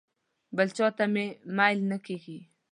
بل چاته مې میل نه کېږي.